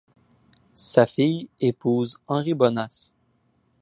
Sa fille épouse Henri Bonnasse.